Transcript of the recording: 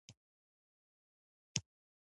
نه یې هم د امتیازغوښتونکی و.